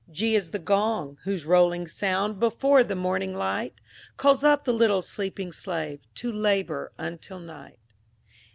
G is the Gong, whose rolling sound, Before the morning light, Calls up the little sleeping slave, To labor until night.